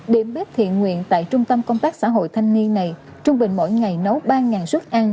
điểm bếp thiện nguyện tại trung tâm công tác xã hội thanh niên này trung bình mỗi ngày nấu ba suất ăn